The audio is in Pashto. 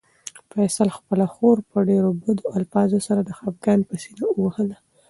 فیصل خپله خور په ډېرو بدو الفاظو سره د خپګان په سېنه ووهله.